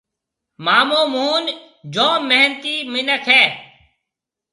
مآمو موهن جوم محنتِي مِنک هيَ۔